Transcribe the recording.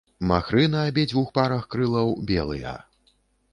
Махры на абедзвюх парах крылаў белыя.